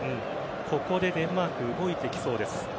ここでデンマーク動いてきそうです。